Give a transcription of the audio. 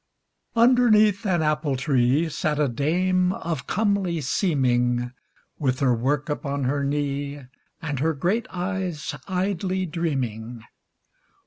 Underneath an apple tree Sat a dame of comely seeming, With her work upon her knee, And her great eyes idly dreaming.